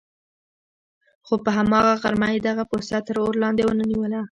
خو په هماغه غرمه یې دغه پوسته تر اور لاندې ونه نیوله.